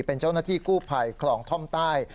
เป็นเจ้าหน้าที่กู้ภัยคลองท่อมใต้